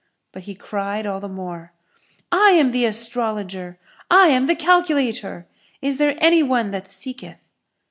But he cried all the more, "I am the Astrologer, I am the Calculator! Is there any one that seeketh?"